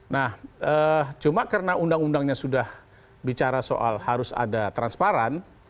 nah cuma karena undang undangnya sudah bicara soal harus ada transparan